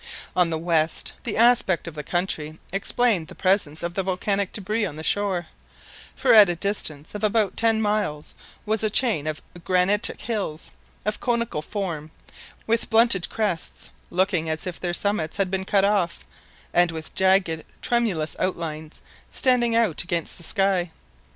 On the west, the aspect of the country explained the presence of the volcanic débris on the shore; for at a distance of about ten miles was a chain of granitic hills, of conical form, with blunted crests, looking as if their summits had been cut off, and with jagged tremulous outlines standing out against the sky.